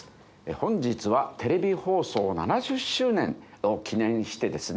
本日はテレビ放送７０周年を記念してですね